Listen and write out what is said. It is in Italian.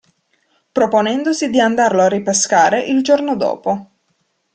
Proponendosi di andarlo a ripescare il giorno dopo.